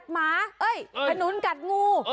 ฮานุนกัดงู